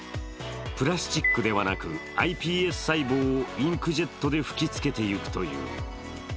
プラスチックではなく、ｉＰＳ細胞をインクジェットで吹きつけていくという。